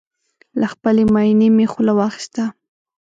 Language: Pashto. له خپلې ماينې مې خوله واخيسته